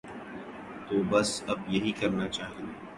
تو بس اب یہی کرنا چاہیے۔